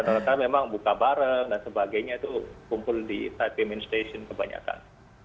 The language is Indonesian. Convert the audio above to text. ternyata memang buka bareng dan sebagainya itu kumpul di taipei main station kebanyakan